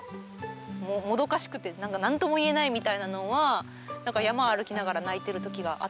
もどかしくて何か何とも言えないみたいなのは山歩きながら泣いてるときがあって。